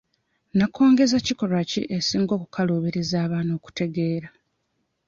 Nakongezakikolwa ki esinga okukaluubiriza abaana okutegeera?